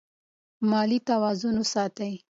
مالي توازن وساتئ.